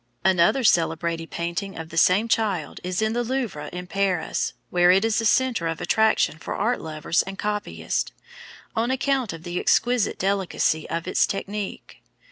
] Another celebrated painting of the same child is in the Louvre at Paris, where it is a centre of attraction for art lovers and copyists, on account of the exquisite delicacy of its technique.